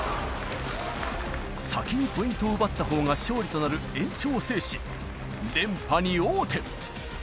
先にポイントを奪ったほうが勝利となる延長を制し、連覇に王手。